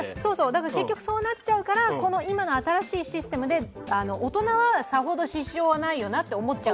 だから結局そうなっちゃうから今の新しいシステムで大人はさほど支障はないよなって思っちゃう。